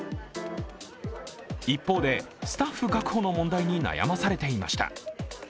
一方で、スタッフ確保の問題に悩まされていました。